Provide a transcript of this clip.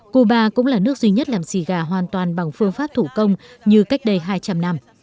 cuba cũng là nước duy nhất làm xì gà hoàn toàn bằng phương pháp thủ công như cách đây hai trăm linh năm